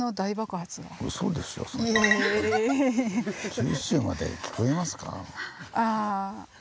九州まで聞こえますか。